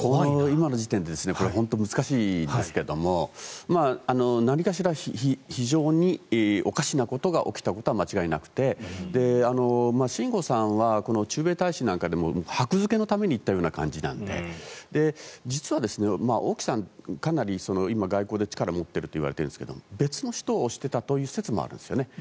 今の時点で本当に難しいんですけれど何かしら非常におかしなことが起きたことは間違いなくて秦剛さんは駐米大使なんかでも箔付けのために行ったような感じなので実は王毅さんは今、外交でかなり力を持っているといわれているんですが別の人を推していたといわれていたんですね。